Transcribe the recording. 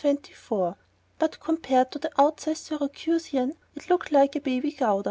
But, compared to the outsize Syracusan, it looked like a Baby Gouda.